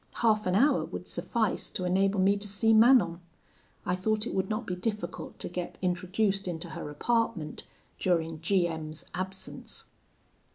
Half an hour would suffice to enable me to see Manon. I thought it would not be difficult to get introduced into her apartment during G M 's absence.